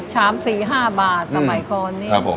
ฉ้ำสี๕บาทต่อไว้ก่อนนี้